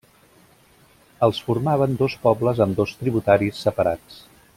Els formaven dos pobles amb dos tributaris separats.